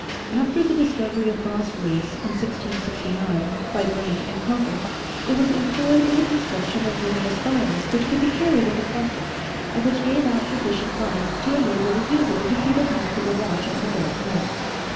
After the discovery of phosphorus in 1669, by Brandt and Kunckel, it was employed in the construction of lumin ous phials which could be carried in the pocket, and which gave out sufficient light to enable the user to see the hands of a watch on a dark night.